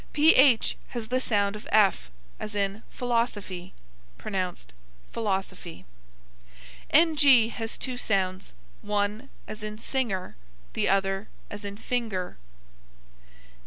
PH has the sound of f; as in philosophy; pronounced filosofy. NG has two sounds, one as in singer, the other as in fin ger.